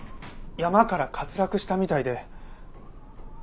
山から滑落したみたいで。